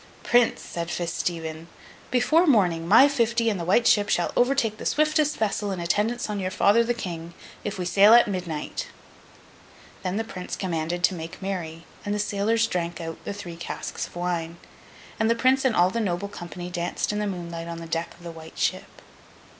'Prince!' said Fitz Stephen, 'before morning, my fifty and The White Ship shall overtake the swiftest vessel in attendance on your father the King, if we sail at midnight!' Then the Prince commanded to make merry; and the sailors drank out the three casks of wine; and the Prince and all the noble company danced in the moonlight on the deck of The White Ship.